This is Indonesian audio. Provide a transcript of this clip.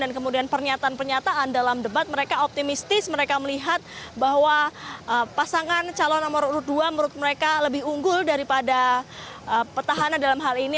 dan kemudian pernyataan pernyataan dalam debat mereka optimistis mereka melihat bahwa pasangan calon nomor urut dua menurut mereka lebih unggul daripada petahannya dalam hal ini